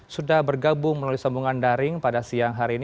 sudah bergabung melalui sambungan daring pada siang hari ini